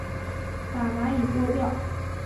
把蚂蚁拨掉